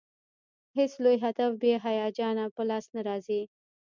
هېڅ لوی هدف بې هیجانه په لاس نه راځي.